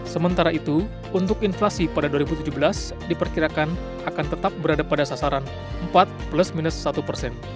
sementara itu untuk inflasi pada dua ribu tujuh belas diperkirakan akan tetap berada pada sasaran empat plus minus satu persen